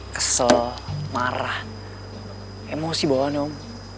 kesel marah emosi bawahnya om